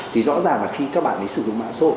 thì rõ ràng là khi các bạn ấy sử dụng mạng xã hội